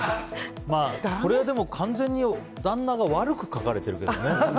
これでも完全に旦那が悪く描かれているけどね。